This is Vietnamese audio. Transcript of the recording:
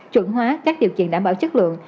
chuẩn hóa các điều kiện đảm bảo chất lượng